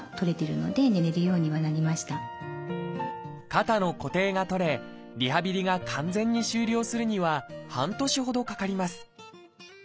肩の固定が取れリハビリが完全に終了するには半年ほどかかります。